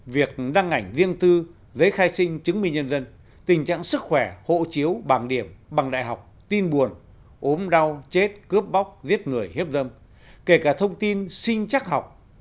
việc đăng ảnh riêng tư giấy khai sinh chứng minh nhân dân tình trạng sức khỏe hộ chiếu bảng điểm bằng đại học tin buồn ốm đau chết cướp bóc giết người hiếp dâm kể cả thông tin sinh chắc học